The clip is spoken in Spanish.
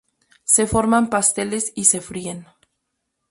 Se forman pasteles y se fríen.